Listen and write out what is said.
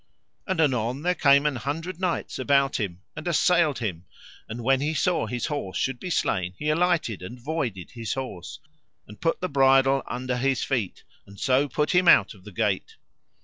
And anon there came an hundred knights about him and assailed him; and when he saw his horse should be slain he alighted and voided his horse, and put the bridle under his feet, and so put him out of the gate.